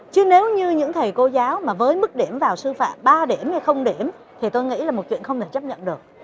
chứ nếu như những thầy cô giáo mà với mức điểm vào sư phạm ba điểm hay điểm thì tôi nghĩ là một chuyện không thể chấp nhận được